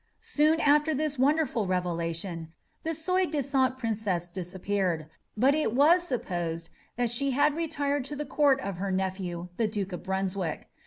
Soon after this wonderful revelation the soi disant princess disappeared, but it was supposed that she had retired to the court of her nephew, the Duke of Brunswick.